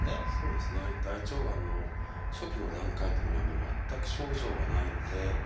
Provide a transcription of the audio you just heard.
大腸がんの初期の段階というのは全く症状がないので。